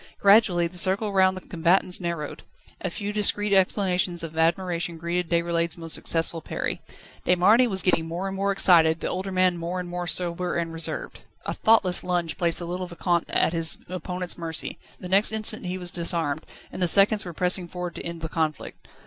Gradually the circle round the combatants narrowed. A few discreet exclamations of admiration greeted Déroulède's most successful parry. De Marny was getting more and more excited, the older man more and more sober and reserved. A thoughtless lunge placed the little Vicomte at his opponent's mercy. The next instant he was disarmed, and the seconds were pressing forward to end the conflict.